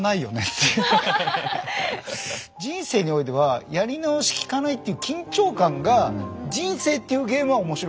人生においてはやり直しきかないっていう緊張感が人生っていうゲームは面白くしてるじゃないですか。